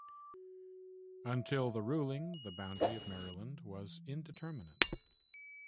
Until the ruling, the boundary of Maryland was indeterminate.